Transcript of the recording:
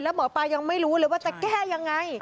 หมอปลายังไม่รู้เลยว่าจะแก้ยังไง